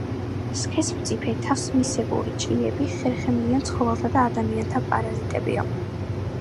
სქესმწიფე თასმისებური ჭიები ხერხემლიან ცხოველთა და ადამიანთა პარაზიტებია.